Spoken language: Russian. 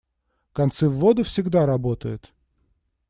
«Концы в воду» всегда работает.